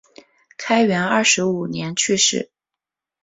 开元二十五年去世。